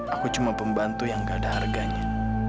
aku cuma pembantu yang gak ada harganya